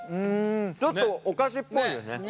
ちょっとお菓子っぽいよね。